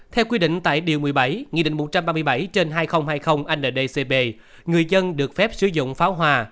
theo quy định tại điều một mươi bảy nghị định một trăm ba mươi bảy trên hai nghìn hai mươi ndcp người dân được phép sử dụng pháo hoa